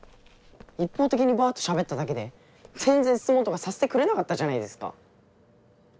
一方的にバっとしゃべっただけで全然質問とかさせてくれなかったじゃないですか。